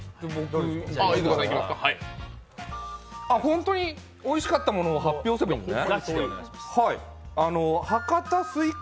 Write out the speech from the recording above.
本当においしかったものを発表すればいいのね。